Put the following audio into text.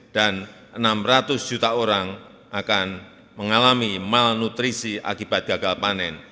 dan enam ratus juta orang akan mengalami malnutrisi akibat gagal panen